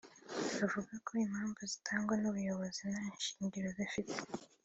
bavuga ko impamvu zitangwa n’ubuyobozi nta shingiro zifite